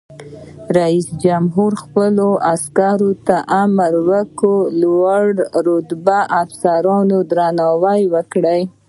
رئیس جمهور خپلو عسکرو ته امر وکړ؛ د لوړ رتبه افسرانو درناوی وکړئ!